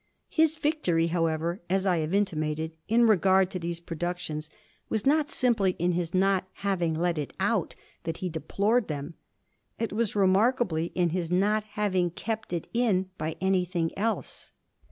His victory, however, as I have intimated, in regard to these productions, was not simply in his not having let it out that he deplored them; it was, remarkably, in his not having kept it in by anything else.